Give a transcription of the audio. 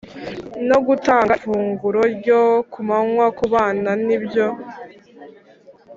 No gutanga ifunguro ryo kumanywa ku bana nibyo